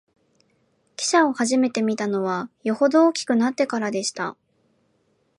汽車をはじめて見たのは、よほど大きくなってからでした